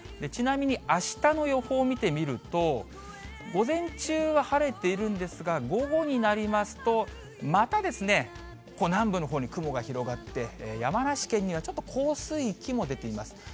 ちなみにあしたの予報見てみると、午前中は晴れているんですが、午後になりますと、またですね、南部のほうに雲が広がって、山梨県にはちょっと降水域も出ていきます。